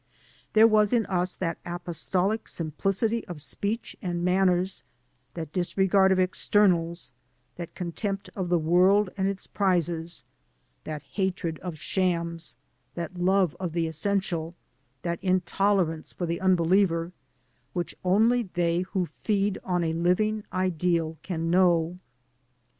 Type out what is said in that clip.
There was in us that apostolic simplicity of speech and manners, that disregard of externals, that contempt of the world and its prizes, that hatred of shams, that love of the essential, that intolerance for the unbeliever, which only they who feed on a living ideal can know.